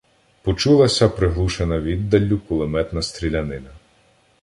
Почулася приглушена віддаллю кулеметна стрілянина.